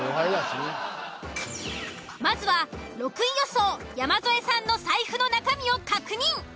まずは６位予想山添さんの財布の中身を確認。